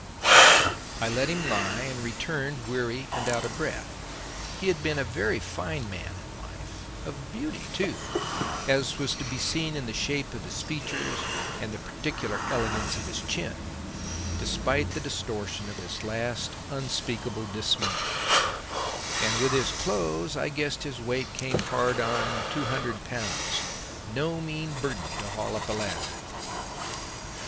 I let him lie and returned, weary and out of breath. He had been a very fine man in life, of beauty too, as was to be seen in the shape of his features and the particular elegance of his chin, despite the distortion of his last unspeakable dismay; and with his clothes I guessed his weight came hard upon two hundred pounds, no mean burden to haul up a ladder.